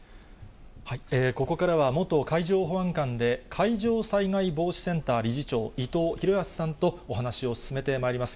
ここからは元海上保安監で、海上災害防止センター理事長、伊藤裕康さんとお話を進めてまいります。